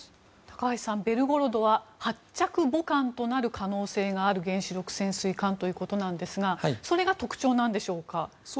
高橋さん「ベルゴロド」は発着母艦となる可能性がある原子力潜水艦ということですがそれが特徴なんでしょうか？